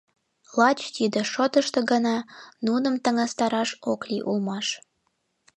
Лач тиде шотышто гына нуным таҥастараш ок лий улмаш.